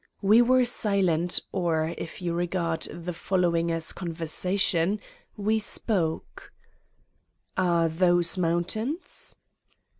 We were silent or if you regard the following as conversation we spoke: "Are those mountains?"